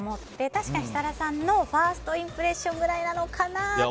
確かに設楽さんのファーストインプレッションくらいなのかなって。